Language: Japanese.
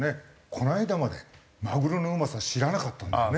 この間までマグロのうまさを知らなかったんだよね。